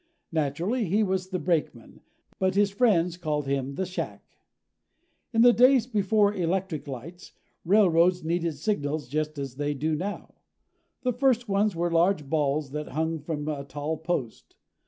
Naturally, he was the brakeman, but his friends called him the shack. In the days before electric lights, railroads needed signals just as they do now. The first ones were large balls that hung from a tall post.